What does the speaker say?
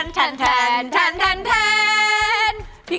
อ๋อไม่รู้สึกอิ่ม